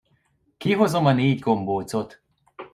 Kihozom a négy gombócot.